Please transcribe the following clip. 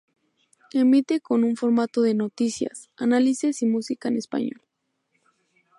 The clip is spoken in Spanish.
Emite con un formato de noticias, análisis y música en español.